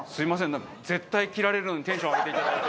なんか絶対切られるのにテンション上げていただいて。